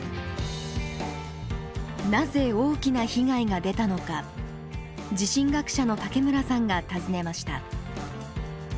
なぜ大きな被害が出たのか地震学者の武村さんが訪ねました。